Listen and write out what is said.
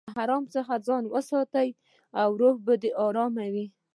له حرامه ځان وساته، روح به دې ارام وي.